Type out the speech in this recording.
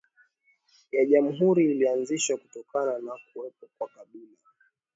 ya jamhuri ilianzishwa kutokana na kuwepo kwa kabila